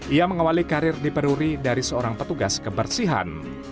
ia mengawali karir di peruri dari seorang petugas kebersihan